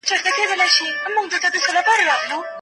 حقوقو پوهنځۍ په اسانۍ سره نه منظوریږي.